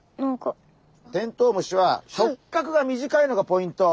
テントウムシは触角が短いのがポイント。